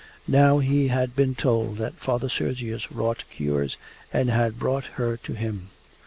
Now he had been told that Father Sergius wrought cures, and had brought her to him.